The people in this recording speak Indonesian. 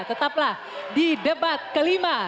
tetaplah di debat kelima